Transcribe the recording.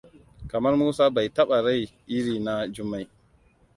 Kamar Musa bai bata rai iri na Jummai.